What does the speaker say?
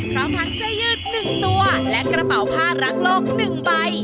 พร้อมทั้งเสื้อยืด๑ตัวและกระเป๋าผ้ารักโลก๑ใบ